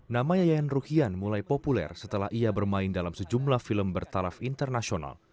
nama yayan rukhian mulai populer setelah ia bermain dalam sejumlah film bertaraf internasional